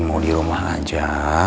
mau di rumah aja